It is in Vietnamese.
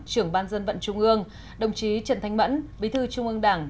trưởng ban dân vận trung ương đồng chí trần thanh mẫn bí thư trung ương đảng